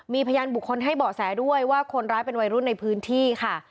มีพยานบุคคลให้เบาะแสด้วยว่าคนร้ายเป็นวัยรุ่นในพื้นที่ค่ะ